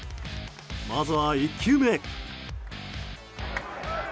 まずは１球目。